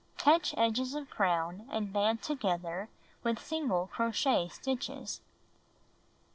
Catch edges of crown and band together with single crochet stitches.